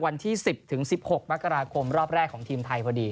วันที่๑๐๑๖มกราคมรอบแรกของทีมไทยพอดี